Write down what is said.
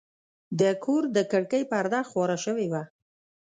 د کور د کړکۍ پرده خواره شوې وه.